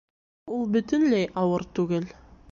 Ул бөтөнләй ауыр түгел